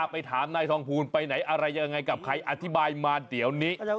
ไปถามนายทองภูลไปไหนอะไรยังไงกับใครอธิบายมาเดี๋ยวนี้